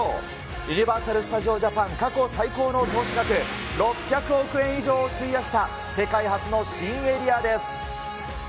ユニバーサル・スタジオ・ジャパン過去最高の投資額、６００億円以上を費やした世界初の新エリアです。